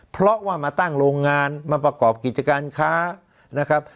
เพราะว่ามาตั้งโรงงานมาประกอบกิจการค้านะครับ